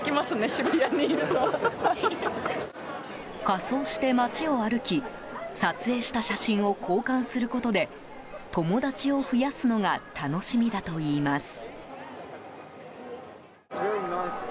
仮装して街を歩き撮影した写真を交換することで友達を増やすのが楽しみだといいます。